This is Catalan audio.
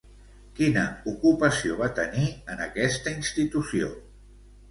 Quina ocupació va tenir en aquesta institució?